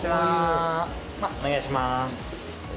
「お願いします」